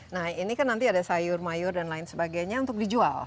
nah ini kan nanti ada sayur mayur dan lain sebagainya untuk dijual